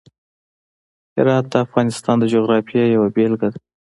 هرات د افغانستان د جغرافیې یوه بېلګه ده.